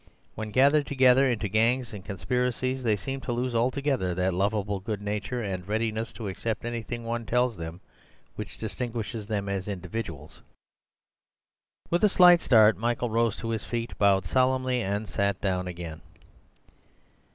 When gathered together into gangs and conspiracies they seem to lose altogether that lovable good nature and readiness to accept anything one tells them which distinguishes them as individuals." With a slight start, Michael rose to his feet, bowed solemnly, and sat down again.